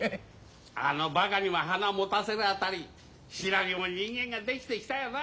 あのバカにも花持たせるあたりしらりも人間が出来てきたよな。